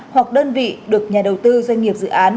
hoặc đơn vị được nhà đầu tư doanh nghiệp dự án